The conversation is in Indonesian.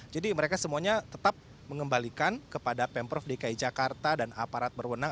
jadi mereka semuanya tetap mengembalikan kepada pemprov dki jakarta dan aparat berwenang